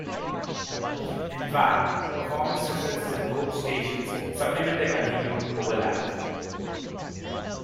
In fact, the performance differences in both stations supplement their continued overlap.